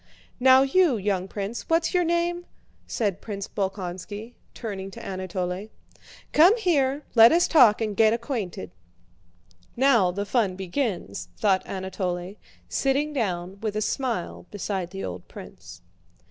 "Now you, young prince, what's your name?" said Prince Bolkónski, turning to Anatole, "come here, let us talk and get acquainted." "Now the fun begins," thought Anatole, sitting down with a smile beside the old prince.